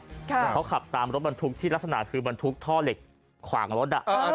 แล้วเขาขับตามรถบรรทุกที่ลักษณะคือบรรทุกท่อเหล็กขวางรถ